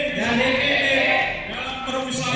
jangan berusaha jangan berusaha